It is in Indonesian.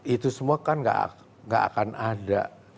itu semua kan gak akan ada